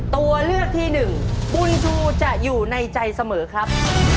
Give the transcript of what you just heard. ตัวเลือกที่หนึ่งบุญชูจะอยู่ในใจเสมอครับ